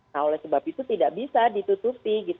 nah oleh sebab itu tidak bisa ditutupi